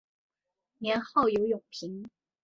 年号有永平。